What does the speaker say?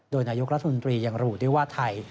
โดยนายกรัฐมนตรียังรูดว่าไทย